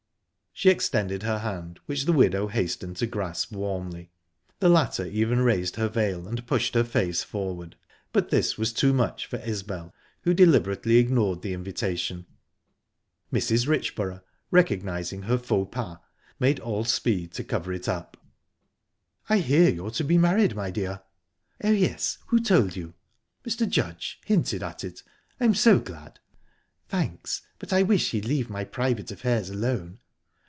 She extended her hand, which the widow hastened to grasp warmly. The latter even raised her veil and pushed her face forward, but this was too much for Isbel, who deliberately ignored the invitation. Mrs. Richborough, recognising her faux pas, made all speed to cover it up: "I hear you're to be married, my dear?" "Oh, yes...Who told you?" "Mr. Judge hinted at it...I'm so glad!" "Thanks! But I wish he'd leave my private affairs alone."